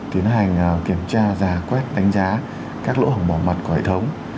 tiến hành kiểm tra giả quét đánh giá các lỗ hỏng bảo mật của hệ thống